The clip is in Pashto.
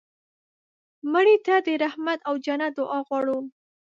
مړه ته د رحمت او جنت دعا غواړو